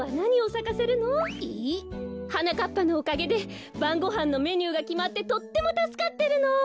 はなかっぱのおかげでばんごはんのメニューがきまってとってもたすかってるの。